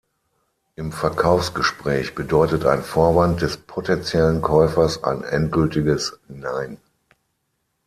Im Verkaufsgespräch bedeutet ein Vorwand des potenziellen Käufers ein endgültiges Nein.